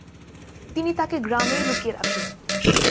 তিনি তাকে গ্রামেই লুকিয়ে রাখেন।